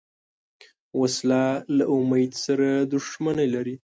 وسله له امید سره دښمني لري